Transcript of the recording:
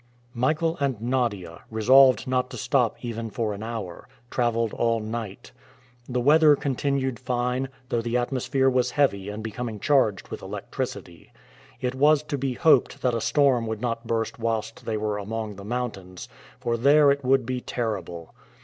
Michael and Nadia, resolved not to stop even for an hour, traveled all night. The weather continued fine, though the atmosphere was heavy and becoming charged with electricity. It was to be hoped that a storm would not burst whilst they were among the mountains, for there it would be terrible.